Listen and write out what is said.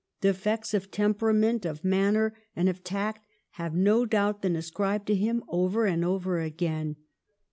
Defects of tem perament, of manner, and of tact have, no doubt, been ascribed to him over and over again.